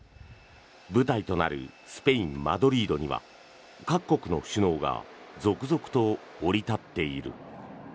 舞台となるスペイン・マドリードには各国の首脳が続々と降り立っている。